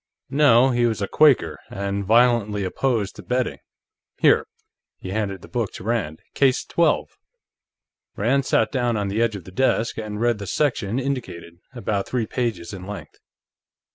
"No. He was a Quaker, and violently opposed to betting. Here." He handed the book to Rand. "Case Twelve." Rand sat down on the edge of the desk, and read the section indicated, about three pages in length.